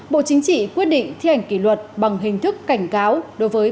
bộ chính trị quyết định thi hành kỷ luật bằng hình thức cảnh cáo đối với